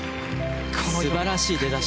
素晴らしい出だし。